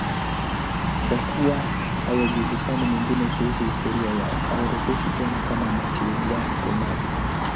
Kwa kuwa hayajulikani mengine kuhusu historia yao, hawaorodheshwi tena na Martyrologium Romanum.